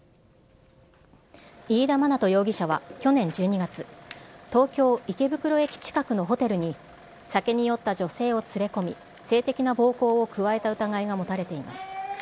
飯田学人容疑者は去年１２月、東京・池袋駅近くのホテルに酒に酔った女性を連れ込み、性的な暴行を加えた疑いが持たれています。